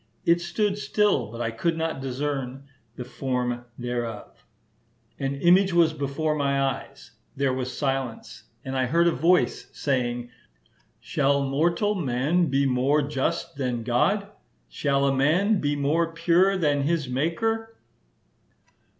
It stood still, but I could not discern the form thereof: an image was before my eyes, there was silence, and I heard a voice, saying, Shall mortal man be more just than God? Shall a man be more pure than his Maker?"